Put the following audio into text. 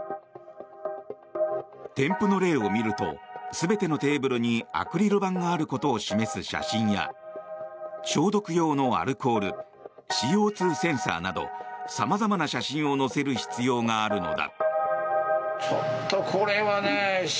添付の例を見ると全てのテーブルにアクリル板があることを示す写真や消毒用のアルコールＣＯ２センサーなど様々な写真を載せる必要があるのだ。